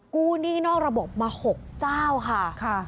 หนี้นอกระบบมา๖เจ้าค่ะ